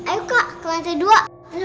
ayo kak ke lantai dua